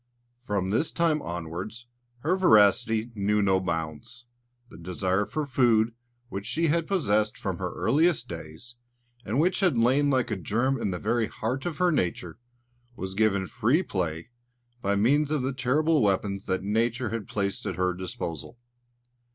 From this time onwards, her voracity knew no bounds. The desire for food, which she had possessed from her earliest days, and which had lain like a germ in the very heart of her nature, was given free play by means of the terrible weapons that Nature had placed at her disposal.